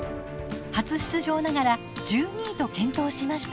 初出場ながら１２位と健闘しました。